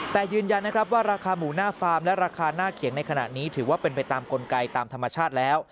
แต่ยืนยันนะครับว่าราคาหมูหน้าฟาร์มและราคาหน้าเขียงในขณะนี้ถือว่าเป็นไปตามกลไกตามธรรมชาติแล้ว